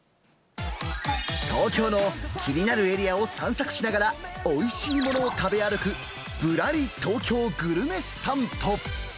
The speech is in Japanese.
東京の気になるエリアを散策しながら、おいしいものを食べ歩く、ぶらり東京グルメ散歩。